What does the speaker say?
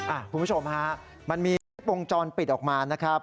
คุณผู้ชมฮะมันมีคลิปวงจรปิดออกมานะครับ